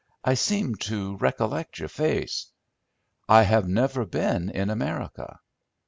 I seem to recollect your face." "I have never been in America."